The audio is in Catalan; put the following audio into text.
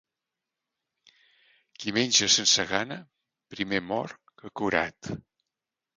Qui menja sense gana, primer mort que curat.